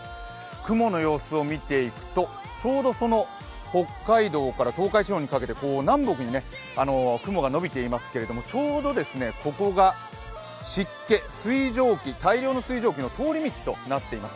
雲の様子を見ていくと、北海道から東海地方にかけて南北に雲が延びていますけれどもちょうどここが湿気、水蒸気、大量の水蒸気の通り道となっています。